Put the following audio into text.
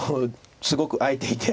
すごく空いていて。